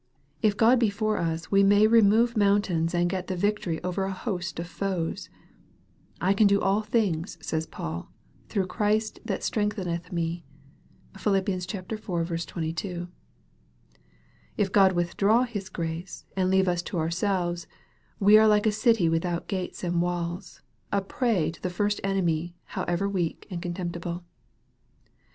If God be for us we may remove mountains and get the victory over a host of foes. " I can do all things," says Paul, " through Christ that strengthened me." (Phil. iv. 22.) If God withdraw His grace, and leave us to ourselves, we are like a city without gates and walls, a prey to the first enemy, however weak and contemptible.